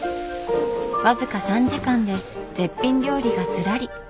僅か３時間で絶品料理がずらり。